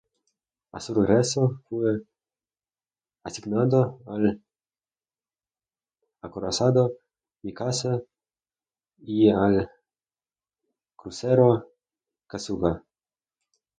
A su regreso, fue asignado al acorazado Mikasa y al crucero Kasuga.